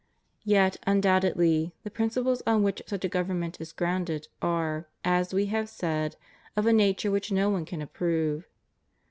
Yet, undoubtedly, the principles on which such a government is grounded are, as We have said, of a nature which no one can approve.